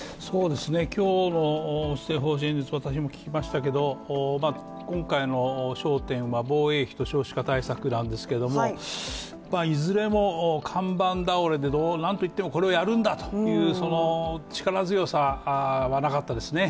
今日の施政方針演説、私も聞きましたけど今回の焦点は防衛費と少子化対策なんですけれどもいずれも看板倒れで何といってもこれをやるんだ！という力強さはなかったですね。